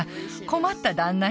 困った旦那